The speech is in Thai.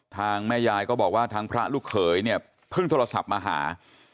แม่ยายก็บอกว่าทางพระลูกเขยเนี่ยเพิ่งโทรศัพท์มาหา